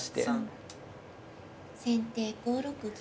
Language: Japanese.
先手５六銀。